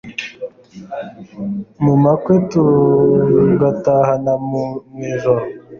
mu makwe tugatahana mu ijoro